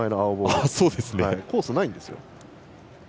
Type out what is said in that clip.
コース、ないんですよ。